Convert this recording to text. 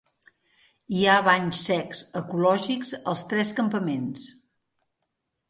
Hi ha banys secs ecològics als tres campaments.